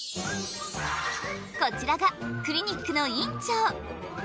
こちらがクリニックの院長。